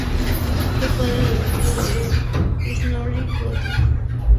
Fue padre adoptivo de Snorri Goði.